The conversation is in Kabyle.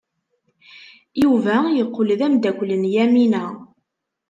Yuba yeqqel d ameddakel n Yamina.